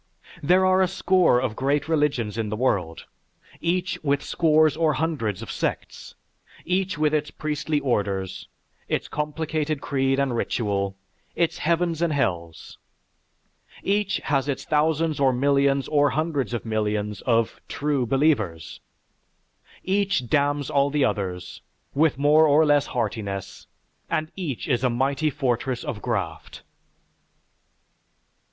There are a score of great religions in the world, each with scores or hundreds of sects, each with its priestly orders, its complicated creed and ritual, its heavens and hells. Each has its thousands or millions or hundreds of millions of "true believers"; each damns all the others, with more or less heartiness, and each is a mighty fortress of Graft.